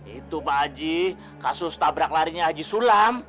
itu pak aji kasus tabrak larinya aji sulam